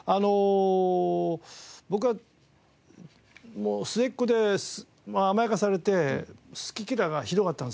僕は末っ子で甘やかされて好き嫌いがひどかったんですよ。